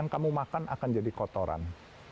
kamu makan akan jadi kotoran